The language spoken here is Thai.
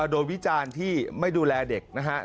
โดยวิจารณ์ที่ไม่ดูแลเด็กนะครับ